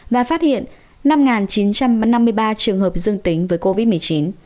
và phát hiện năm chín trăm năm mươi ba trường hợp dương tính với covid một mươi chín